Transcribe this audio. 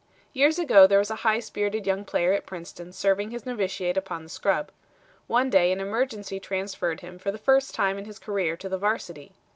"Years ago there was a high spirited young player at Princeton serving his novitiate upon the scrub. One day an emergency transferred him for the first time in his career to the Varsity.